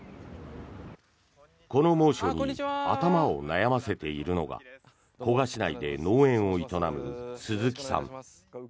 この猛暑に頭を悩ませているのが古河市内で農園を営む鈴木さん。